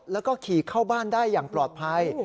แล้วก็ขี่เข้าบ้านได้อย่างปลอดภัย